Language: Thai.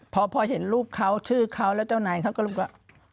พอเห็นรูปเขาชื่อเขาแล้วเจ้านายเขาก็รู้ว่า